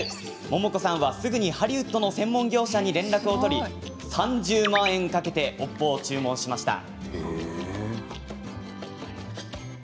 百桃子さんはすぐにハリウッドの専門業者に連絡を取り３０万円かけて尾っぽを注文しました。